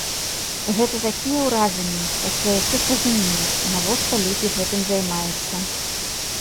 Гэта такія ўражанні, пасля якіх разумееш, навошта людзі гэтым займаюцца.